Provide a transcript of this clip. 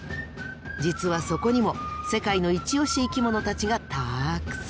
実はそこにも世界の「イチ推し生きもの」たちがたくさん！